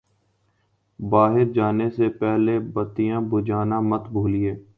باہر جانے سے پہلے بتیاں بجھانا مت بھولئے